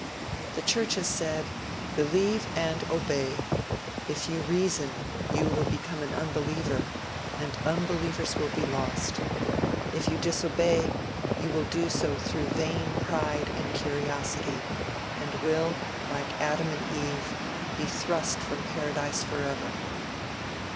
The Church has said, "Believe, and obey! If you reason, you will become an unbeliever, and unbelievers will be lost. If you disobey, you will do so through vain pride and curiosity, and will, like Adam and Eve, be thrust from paradise forever!"